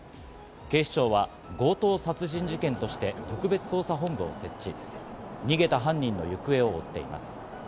警視庁は強盗殺人事件として特別捜査本部を設置し、逃げた犯人の行方を追っています。